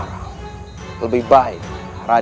dan menangkan mereka